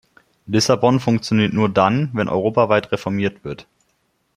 Lissabon funktioniert nur dann, wenn europaweit reformiert wird.